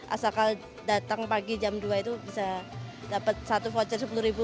asal datang pagi jam dua itu bisa dapat satu voucher sepuluh ribu